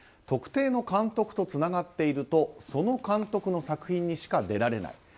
特定の監督とつながっているとその監督の作品にしか出られない。